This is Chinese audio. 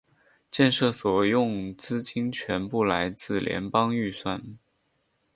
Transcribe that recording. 建设所用资金全部来自联邦预算。